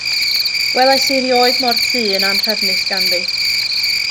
Welais i erioed mo'r tŷ yn anhrefnus ganddi.